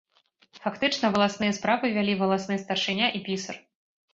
Фактычна валасныя справы вялі валасны старшыня і пісар.